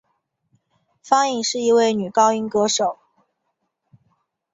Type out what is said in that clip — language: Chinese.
方颖是一位女高音歌手。